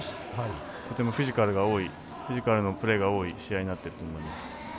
とてもフィジカルのプレーが多い試合になっていると思います。